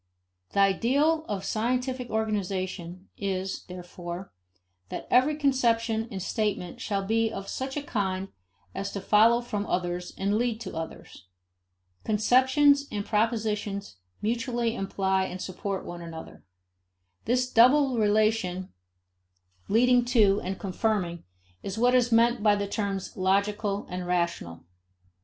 The ideal of scientific organization is, therefore, that every conception and statement shall be of such a kind as to follow from others and to lead to others. Conceptions and propositions mutually imply and support one another. This double relation of "leading to and confirming" is what is meant by the terms logical and rational.